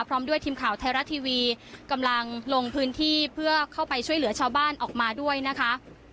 พร้อมด้วยทีมข่าวไทยรัฐทีวีกำลังลงพื้นที่เพื่อเข้าไปช่วยเหลือชาวบ้านออกมาด้วยนะคะ